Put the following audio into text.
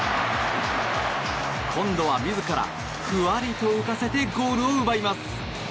今度は自らふわりと浮かせてゴールを奪います。